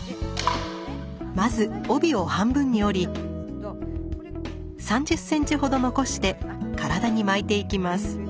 まず帯を半分に折り３０ｃｍほど残して体に巻いていきます。